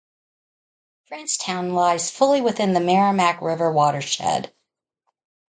Francestown lies fully within the Merrimack River watershed.